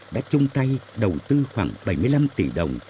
đã chung tay đầu tư khoảng bảy mươi năm tỷ đồng